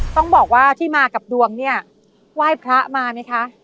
ต้องบอกว่าที่มากับดวงเนี่ยไหว้พระมาไหมคะ